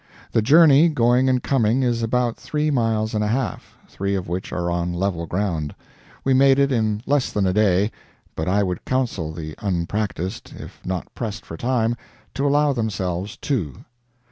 The journey, going and coming, is about three miles and a half, three of which are on level ground. We made it in less than a day, but I would counsel the unpracticed if not pressed for time to allow themselves two.